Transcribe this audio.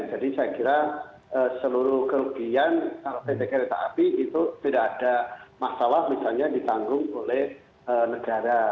jadi saya kira seluruh kerugian kereta api itu tidak ada masalah misalnya ditanggung oleh negara